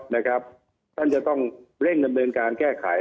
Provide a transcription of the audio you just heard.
ท่านจะต้องเร่งเงินเงินการแก้ไข